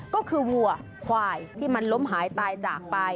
ก็คือวัวควายที่มันล้มหายตายจากไป